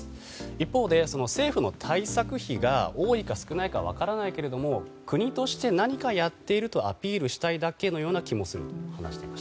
一方で政府の対策費が多いか少ないかは分からないが国として何かやっているとアピールしたいだけのような気もするということです。